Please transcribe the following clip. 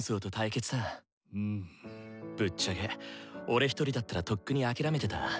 ぶっちゃけ俺ひとりだったらとっくに諦めてた。